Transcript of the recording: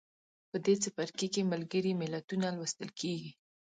په دې څپرکي کې ملګري ملتونه لوستل کیږي.